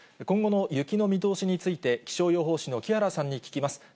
今後の雪の見通しについて、気象予報士の木原さんに聞きます。